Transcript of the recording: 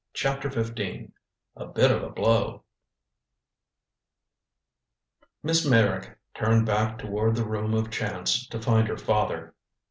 CHAPTER XV A BIT OF A BLOW Miss Meyrick turned back toward the room of chance to find her father.